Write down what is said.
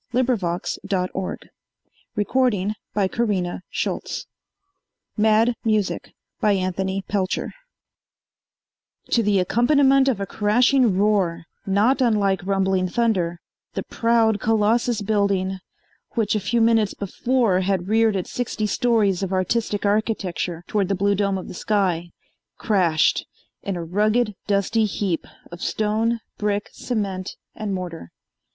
[Illustration: In an inner room they found a diabolical machine.] To the accompaniment of a crashing roar, not unlike rumbling thunder, the proud Colossus Building, which a few minutes before had reared its sixty stories of artistic architecture towards the blue dome of the sky, crashed in a rugged, dusty heap of stone, brick, cement and mortar.